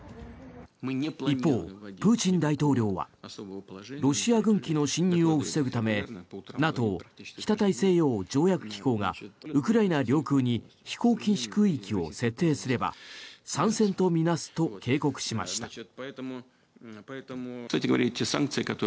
一方、プーチン大統領はロシア軍機の侵入を防ぐためＮＡＴＯ・北大西洋条約機構がウクライナ領空に飛行禁止空域を設定すれば参戦とみなすと警告しました。